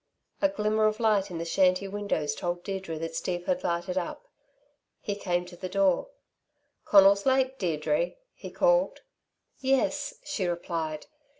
A glimmer of light in the shanty windows told Deirdre that Steve had lighted up. He came to the door. "Conal's late, Deirdre?" he called. "Yes," she replied.